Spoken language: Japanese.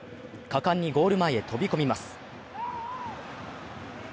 果敢にゴール前に飛び込みます。